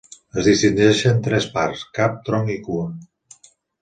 Es distingeixen tres parts: cap, tronc i cua.